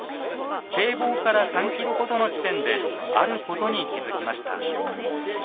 堤防から３ｋｍほどの地点であることに気付きました。